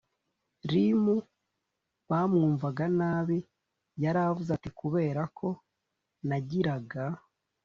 rimu bamwumvaga nabi Yaravuze ati kubera ko nagiraga